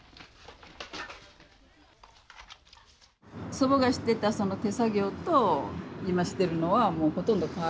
祖母がしてた手作業と今してるのはほとんど変わらない。